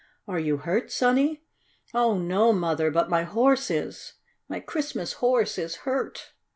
"Are you hurt, Sonny?" "Oh, no, Mother. But my Horse is! My Christmas Horse is hurt."